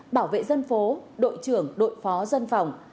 bảo vệ dân phố đội trưởng đội phó dân phòng